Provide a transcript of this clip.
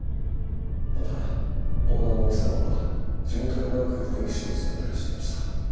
またオーナーの奥様は地元で長く保育士を務めていらっしゃいました。